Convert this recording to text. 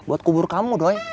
buat kubur kamu doi